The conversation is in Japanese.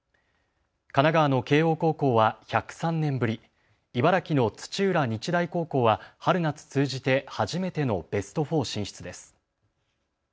神奈川の慶応高校は１０３年ぶり、茨城の土浦日大高校は春夏通じて初めてのベスト４進出です。